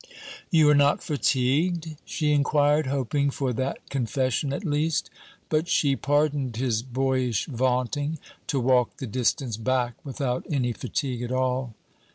'You are not fatigued?' she inquired, hoping for that confession at least; but she pardoned his boyish vaunting to walk the distance back without any fatigue at all.